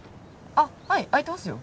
あっはい空いてますよ